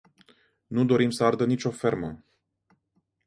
Nu dorim să ardă nicio fermă.